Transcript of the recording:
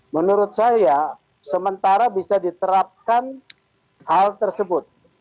menurut saya sementara bisa diterapkan hal tersebut